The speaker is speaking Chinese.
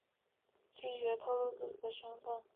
制作者拒绝透露自己的身份。